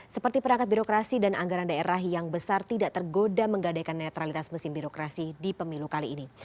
seperti perangkat birokrasi dan anggaran daerah yang besar tidak tergoda menggadaikan netralitas mesin birokrasi di pemilu kali ini